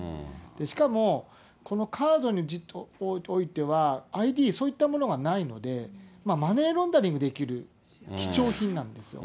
しかも、このカードにおいてはＩＤ、そういったものがないので、マネーロンダリングできる貴重品なんですよ。